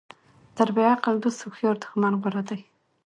تر بیعقل دوست هوښیار دښمن غوره ده.